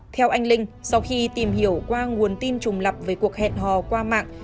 theo anh linh sau khi tìm hiểu qua nguồn tin trùng lập về cuộc hẹn hò qua mạng